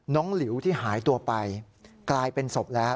หลิวที่หายตัวไปกลายเป็นศพแล้ว